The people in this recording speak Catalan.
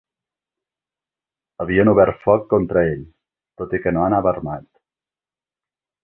Havien obert foc contra ell, tot i que no anava armat